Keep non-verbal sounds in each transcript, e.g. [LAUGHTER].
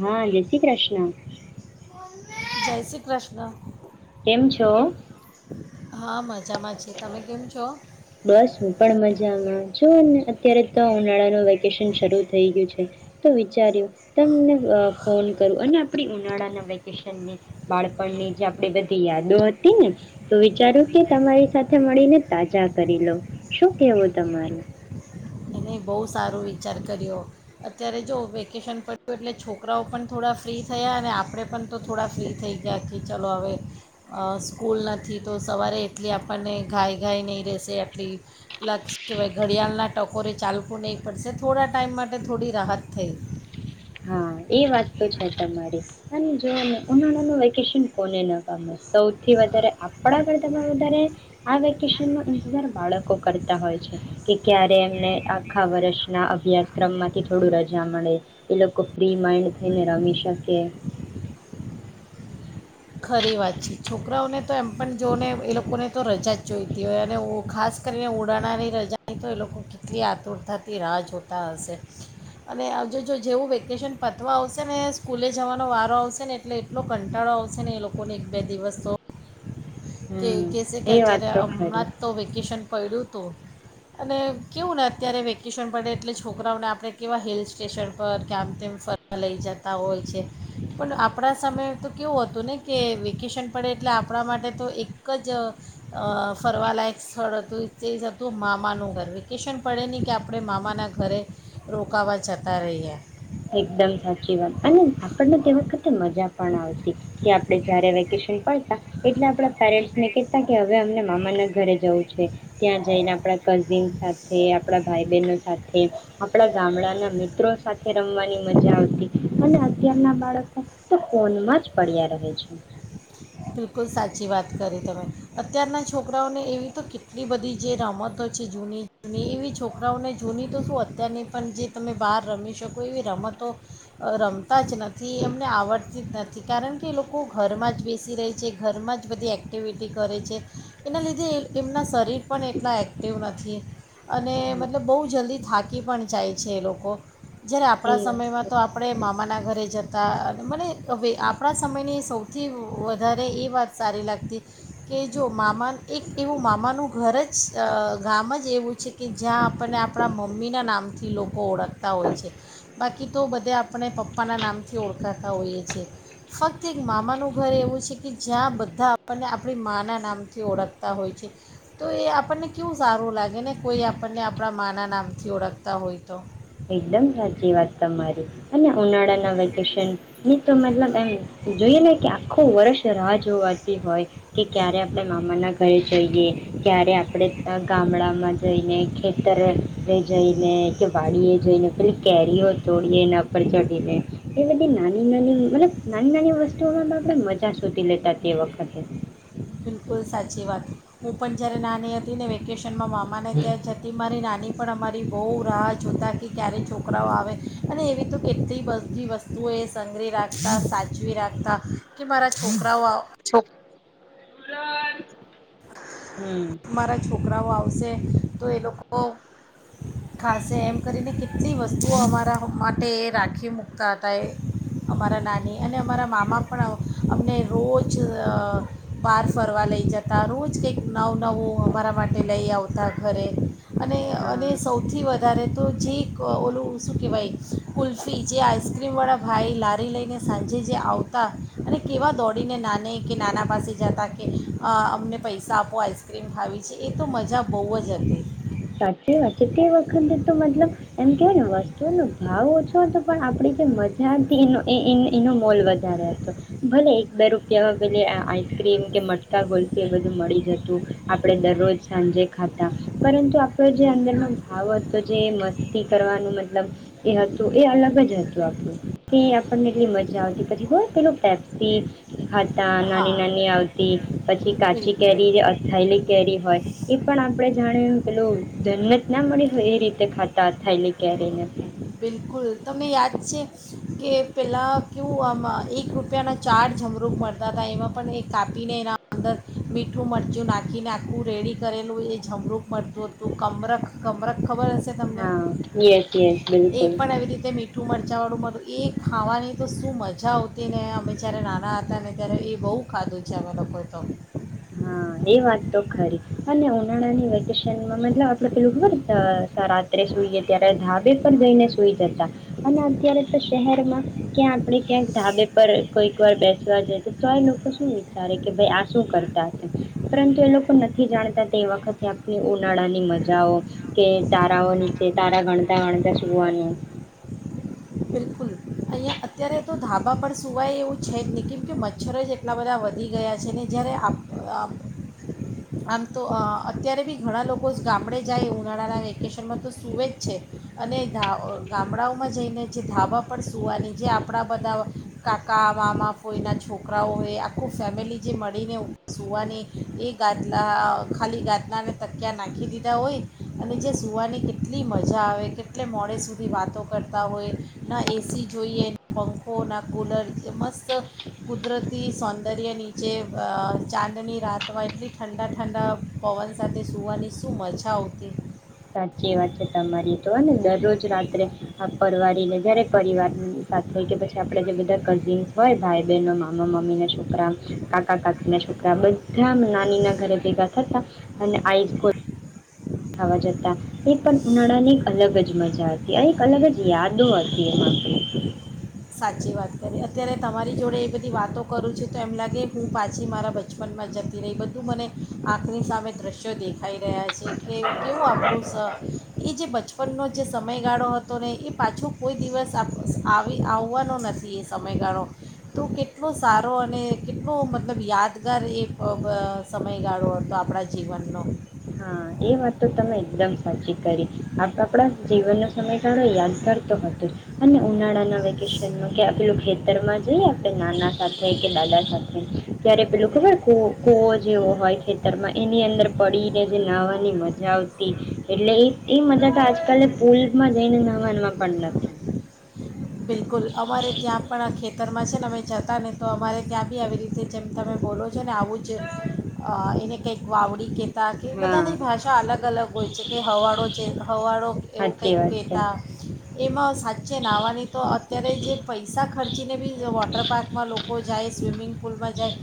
હા જય શ્રી કૃષ્ણ. જય શ્રી કૃષ્ણ. કેમ છો? હા મજ જામાં છે, તમે કેમ છો? જામાં જોને અત્યારે તો ઉનાળાનું વેકેશન શરૂ થઈ ગયું છે તો વિચાર્યું તમને ફોન કરું અને આપડી ઉનાળાના વેકેશન બાળપણની જે આપણી બધી યાદો હતી ને, તો વિચાર્યું કે તમારી સાથે મળીને તાજા કરી લો શું કેવું તમારું? નઈ બહુ સારું વિચાર કર્યો અત્યારે જો વેકેશન પડ્યું એટલે છોકરાઓ પણ થોડા ફ્રી થયા અને આપણે પણ તો થોડા ફ્રી થઈ ગયા કે ચલો હવે અ સ્કૂલ નથી તો સવારે એટલી આપણને ઘાય ઘાય નહીં રહેશે આટલી પ્લસ કહેવાય ઘડિયાળના ટકોરે ચાલવું નહીં પડશે થોડા ટાઈમ માટે થોડી રાહત થઈ હા એ વાત તો છે તમારી અને જો ઉનાળાનું વેકેશન કોને ન ગમે સૌથી વધારે આપણા કરતા તો વધારે આ વેકેશન નો જાર બાળકો કરતા હોય છે કે ક્યારે એમને આખા વરશ ના અભ્યાસક્રમમાંથી થોડું રજા મળે. એ લોકો ફ્રી માઈન્ડ થઈને રમી શકે. ખરી વાત છે છોકરાઓને તો એમ પણ જો ને એ લોકોને તો રજા જ જોઈતી હોય અને ઉ ખાસ કરીને ઉનાળાની રજાની તો એ લોકો કેટલી આતુરતાથી રાહ જોતા હશે અને આવ જો જો જેવું વેકેશન પતવા આવશે ને સ્કૂલે જવાનો વારો આવશે ને એટલે એટલો કંટાળો આવશે. છે ને એ લોકો ને એક બે દિવસ તો હમ એક. કેસ એ વાત કરલ્ચર તો ખરી હમણાં જ તો વેકેશન પૈડુ તું અને કેવું ને અત્યારે વેકેશન પડે એટલે છોકરાઓને આપણે કેવા હિલ સ્ટેશન પર કે આમ તેમ ફરવા લઈ જતા હોય છે પણ આપણા સમયે તો કેવું હતું ને કે વેકેશન પડે એટલે આપણા માટે તો એક એક જ અ અ ફરવાલાયક સ્થળ હતું જે જતું મામાનું ઘર વેકેશન પડે ની કે આપણે મામાના ઘરે રોકાવા જતા રહીએ. એકદમ સાચી વાત અને આપણને તે વખતે મજા પણ આવતી કે આપણે જયારે વેકેશન પડતા એટલે આપડા પેરેન્ટ્સને કેતા કે હવે અમને મામાના ઘરે જવું છે ત્યાં જઈને આપણા કઝિન સાથે આપડા ભાઈ બહેનો સાથે આપડા ગામડાના મિત્રો સાથે. રમવાની મજા આવતી અને અત્યારના બાળકો તો ફોનમાં જ પડ્યા રહે છે. બિલકુલ સાચી વાત કરી તમે અત્યારના છોકરાઓને એવી તો કેટલી બધી જે રમતો છે જૂની જૂની એવી છોકરાઓને જૂની તો શું અત્યારની પણ જે તમે બહાર રમી શકો એવી રમતો રમ તા જ નથી એમને આવડતી જ નથી. કારણ કે લોકો ઘરમાં જ બેસી રહે છે ઘરમાં જ બધી એક્ટિવિટી કરે છે એના લીધે એમના શરીર પણ એટલા એક્ટિવ નથી. અને હમ મતલબ બહુ જલ્દી થાક. કી પણ જાય છે એ લોકો. જ્યારે એ આપણા વાત સમયમાં તો છે. આપણે મામાના ઘરે જત તા મને હવે આપણા સમયની સૌથી. વધારે એ વાત સારી લાગતી કે જો મામા એક એવું મામાનું ઘર જ ગામ જ એવું છે કે જ્યાં આપણને આપણા મમ્મીના નામથી લોકો ઓળખતા હોય છે બાકી તો બધા આપણે પપ્પાના નામથી ઓળખાતા હોઈએ છીએ ફક્ત એક મામાનું ઘર એવું છે કે જ્યાં બધા આપણને આપણી માના નામથી ઓળખતા હોય છે. તો એ આપણને કેવું સારું લાગે ને કોઈ આપણને આપણા માના નામથી ઓળખતા હોય તો. એકદમ સાચી વાત તમારી. અને ઉનાળાના વેકેશન ની તો મતલબ એમ જોઈએ ને કે આખું વર્ષ રાહ જોવાતી હોય કે ક્યારે આપણે મામાના ઘરે જઈએ, ક્યારે આપણે અ ગામડામાં જઈને, ખેતર રે જઈને કે વાડીએ જઈને પેલી કેરીઓ તોડીએ એના પર ચઢીને એ બધી નાની નાની મતલબ નાની નાની વસ્તુઓમાં માં આપણે મજા સુધી લેતા તે વખતે. બિલકુલ સાચી વાત. હૂં પન જ્યારે નાની હતી ને વેકેશ નમાં મામાને ત્યાં જતી. મારી નાની પણ અમારી બોવ રાહ જોતા કે ક્યારે છોકરાઓ આવે અને એવી તો કેટલી બધી વસ્તુઓ એ સંઘરી રાખતા, સાચવી રાખતા કે મારા છોકરાઓ આ છો હમ મારા છોકરાઓ આવ સે તો એ લોકો ખાશે. એમ કરીને કેટલી વસ્તુઓ અમારા માટે એ રાખી મૂકતા હતા એ અમારા નાની અને અમારા મામા પણ અ અમને રોજ અ બાર ફરવા લઈ જતા. રોજ કંઈક નવું નવું અમારા માટે લઈ આવતા ઘરે અને અને હા સૌથી વધારે તો જે ક ઓલું શું કેવાય કુલ્ફી જે આઈસ્ક્રીમવાળા ભાઈ લારી લઈને સાંજે જે આવતા અને કેવા દોડીને નાને કે નાના પાસે જાતા કે અ અમને પૈસા આપો આઈસ્ક્રીમ ખાવી છે. એ તો મજા બોવ જ હતી. સાચી વાત છે તે વખતે તો મતલબ એમ કેવાય ને વસ્તુઓનો ભાવ ઓછો હતો પણ આપડી જે મજા હતી એનો એ એનો એનો મોલ વધારે હતો, ભલે એક બે રૂપિયામાં પેલી આ આઈસક્રીમ કે મટકા ગુલ્ફી એ બધું મળી જતું. આપળે દરરોજ સાંજે ખાતા. પરંતુ આ જે અંદરનો ભાવ હતો જે મસ્તી કરવાનું મતલબ એ હતું એ અલગ જ હતું. આપણું કે આપણને એટલી મજા આવતી પછી હોય પેલું પેપ્સી હતા નાની હા નાની આવતી તે પછી કાચી બિલકુલ કેરી અથાયલી કેરી હોય, એ પણ આપણે જાણી પેલું ધન્મ જ ના મળી હોય એ રીતે ખાતા‌ અથાયેલી કેરીને બિલકુલ તમને યાદ છે, ‌કે પહેલાં કેવું આમ એક રૂપિયાના ચાર જમરૂુક મળતા હતા. એમાં પણ એ કાપીને એના અંદર મીઠું મરચું નાખીને આખું રેડી કરેલું એ જમરૂુક મળતું હતું, કમરક કમરક હા યસ યસ બિલકુલ. એ પણ એવી રીતે મીઠું મરચાંવાળું એ ખાવાની તો શું મજા આવતી ને અમે જ્યારે નાના હતા ને ત્યારે એ બહુ ખાધું છે અમે લોકોએ તો. હા એ વાત તો ખરી અને ઉનાળાની વેકેશનમાં મતલબ આપડે પેલું ખબર રાત્રે સુઈએ ત્યારે ધાબે પર જઈને સુઈ જતા અને અત્યારે તો શહેરમાં ક્યાં આપણે ક્યાંક ધાબે પર કોઈક વાર બેસવા જ તો આ લોકો શું વિચારે કે ભાઈ આ શું કર તા પરંતુ એ લોકો નથી જાણતા તે વખત આપણી ઉનાળાની મજાઓ, કે તારાઓ નીચે તારા ગણતા ગણતા સુવાનું. બિલકુલ અહીંયા અત્યારે તો ધાબાં પણ સવાય એવું છે જ નહીં કેમ કે, મચ્છરો જ એટલા બધા વધી ગયા છે ને, જ્યારે આમ તો અત્યારે બી ઘણા લોકો ગામડે જાય ઉનાળાના વેકેશનમાં તો સૂએ જ છે. અને ગામડાઓમાં જઈને જે ધાબાં પણ સુવાની જે આપણા બધા કાકા મામા ફોઈ ના છોકરાઓ હોય આખું ફેમિલી જે મળીને સુવાની એ ગાદલા ખાલી ગાદલાને તક્યા નાખી દીધા હોય અને જે સૂવાની કેટલી મજા આવે કેટલે મોડે સુધી વાતો કરતા હોય ના એ સી જોઈએ પંખો, ના કૂલર જે મસ્ત કુદરતી સૌંદર્ય નીચે અહ ચાંદની રાત હોય એટલી ઠંડા ઠંડા પવન સાથે સવાની શું મજા આવતી. સાચી વાત છે તમારી તો ને દરરોજ જ રાત્રે પરવારીને જયારે પરિવાર સાથે કે પછી આપણે જે બધા કઝિન્સ હોય ભાઈ બહેન મામા મમ્મી ના છોકરા કાકા કાકી ના છોકરા બધા નાની ના ઘરે ભેગા ભેગા થતા અને આઇસ ગોલા ખાવા જતા એ પણ ઉનાળાની એક અલગ જ મજા હતી અને અલગ જ યાદો હતી એમાં. સાચી વાત કરી અત્યારે તમારી જોડે એ બધી વાતો કરું છેું તો એમ લાગે હું પાછી મારા બચપનમાં જતી રહી બધું મને આંખની સામે દ્રશ્યો દેખાઈ રહ્યા છે. કે કેવું આપણું સ એ જે બચપનનો જે સમયગાળો હતો ને એ પાછો કોઈ દિવસ આપ આવી આવ હોવાનો નથી એ સમયગાળો. તો કેટલો સારો અને કેટલો મતલબ યાદગાર એ બ સમયગાળો હતો આપડા જીવનનો. હા એ વાત તો તમે એકદમ સાચી કરી આપ આપડા જીવનનો સમયગાળો યાદ કરારતો હતો. અને ઉનાળાના વેકેશનમાં કે પેલું ખેતર માં જઈએ આપડે નાના સાથે કે દાદા સાથે ત્યારે પેલું ખબર કો કુવો જેવો હોય ખેતરમાં એની અંદર પડીને જે નાહવાની મજા આવતી એટલે એ એ મજા તો આજકાલે પુલ માં જઈને નહવામાં પણ નથી. બિલકુલ અમારે ત્યાં પણ આ ખેત તરમાં છે, ને અમે જતા ને તો અમારે ત્યાં બી આવી રીતે જેમ તમે બોલો છો ને આવું જ અહ એને કંઈક વાવડી કે તા હા બધાની ભાષા અલગ અલગ હોય છે કે, હવાડો છે હવાડો એવું સાચી કંઈક વાત છે કહેતા એમાં સાચે નાવાની અહ અત્યારે જે પૈસા ખર્ચીને બી વોટર પાર્કમાં લોકો જાય, સ્વિમિંગ પુલમાં જાય,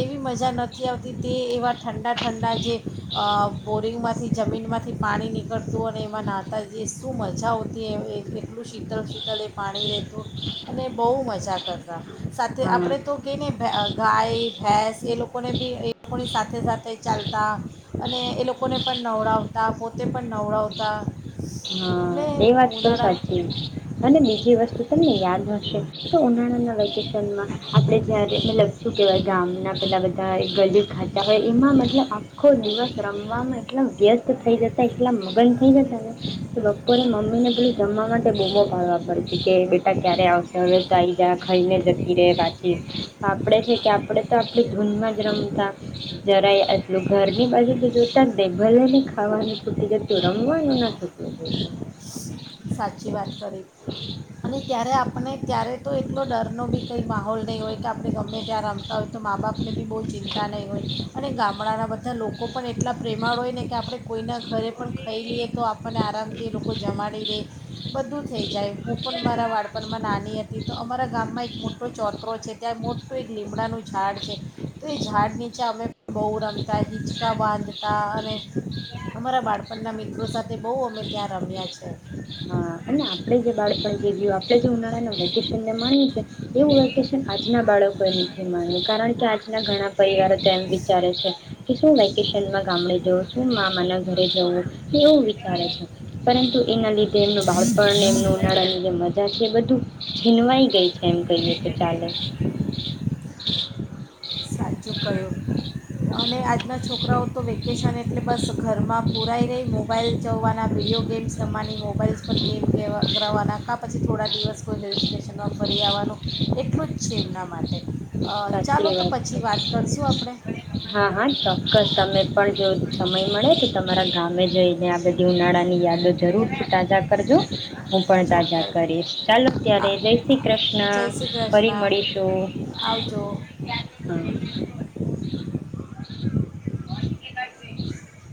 એવી મજા નથી આવતી તે એવા ઠંડા ઠંડા જે અહ બોરિંગ માંથી જમીન માંથી પાની નીકળતું અને એમાં નહતા એ શું મજા હોતી એ એ એટલું શીતલ શીતલ એક પાણી રહેતું અને બહુ મજા કરતા. સાથે હા આપડે તો કે ને અહ ગાય ભેંસ એ લોકોને બી એ લોકોની સાથે સાથે ચાલતા અને એ લોકોને પણ નવડાવતા પોતે પણ નવડાવતા એટલે હા, એ વાત તો ઉનાળા સાચી અને બીજી વસ એ તમે યાદ હશે તો, ઉનાળાના વેકેશનમાં આપડે જ્યારે મતલબ શું કે ગામના પેલા બધા ગલી ખાચા હોય એમાં મતલબ આખો દિવસ રમવામાં એટલા વ્યસ્ત થઈ જતા એટલા મગન થઈ જતા ને તો બ પરે મમ્મીને પેલું જમવા માટે બોમો પાડવા પડતી કે, બેટા ક્યારે આવશે હવે તો આઈ જા ખાઈને જતી રહે પાછી આપણે છે કે આપણે તો આપણી ધૂનમાં જ રમતા જરાય એટલું ઘરની બાજુ તો જોતા જ નઈ ભલેને ખાવાનું છૂટી જતું રમવાનું ના છુંટું જોઈએ. સાચી વાત કરી અને ત્યારે અપ પને ત્યારે તો એટલો ડરનો બી કંઈ માહોલ નહીં હોય કે, આપણે ગમે ત્યાં રમતા હોય તો મા બાપને બી બહુ ચિંતા નહીં હોય, અને ગામડાના બધા લોકો પણ એટલા પ્રેમાળ હોય ને કે આપણે કોઈના ઘરે પણ ખાઈ લઈએ તો આપણને આરામથી લોકો જમાડી રહેે, બધું થઈ જાય હું પણ મારા બાળપણમાં નાની હતી તો અમારા ગામમાં એક મોટો ચોતરો છે ત્યાં મોટું એક લીમડાનું ઝાડ છે. તો એ ઝાડ નીચે અમે બહુ રમતા હિંચકા બાંધતા અને અમારા બાળપણના મિત્રો સાથે બહુ અમે ત્યાં રમ્યા છે. હા અને વેકેશન માણ્યું છે, એવું વેકેશન આજના બાળકો એ નથી માન્યું કારણ કે આજના ઘણા પરિવારો તેમ વિચારે છે કે, શું વેકેશનમાં ગામડે જવું, શું મામા ના ઘરે જવું, એવું વિચારે છે. પરંતુ એના લીધે એમનું બાળકો પણ એમનું ઉનાળા ની જે મજા છે. એ બધું છીનવાઈ ગઈ છે એમ કહીને કે ચાલે. સાચું કહ્યું અને આજના છોકરાઓ તો વેકેશન એટલે બસ ઘરમાં પુરાઈ રહી મોબાઈલ જોવાના, વિડીયો ગેમ્સ રમવાની, મોબાઈલસ પર ગેમ કરવાવાના કા, પછી થોડા દિવસ કોઈ હિલસ્ટ્ટેશનમાં ફરી આવવાનું એટલું જ છે, એમના માટે. અ ચાલો સાચી તો પછી છે. વાત કરશું આપણે. હા હા ચોક્કસ તમે પણ જો સમય મળે તો તમારા ગામે જઈને આ બધી ઉનાળાની યાદો જરૂરથી તાજા કરજો. હું પણ ચોક્કસ તાજા કરીશ ચાલો ત્યારે, આ જય શ્રી કૃષ્ણ જય શ્રી ફરી કૃષ્ણ મળીશું. આવજો હા. [UNINTELLIGIBLE]